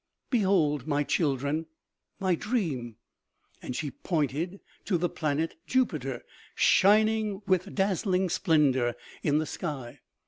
" Behold, my children, my dream ;" and she pointed to the planet Jupi ter, shining with dazzling splendor in the sky.